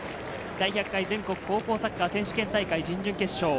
第１００回全国高校サッカー選手権大会、準々決勝。